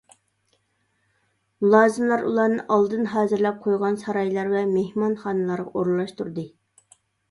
مۇلازىملار ئۇلارنى ئالدىن ھازىرلاپ قويغان سارايلار ۋە مېھمانخانىلارغا ئورۇنلاشتۇردى.